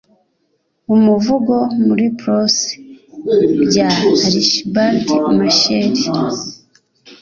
"umuvugo muri prose" by archibald macleish